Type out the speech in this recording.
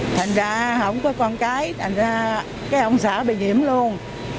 thành ra không có con cái thành ra cái ông xã bị nhiễm luôn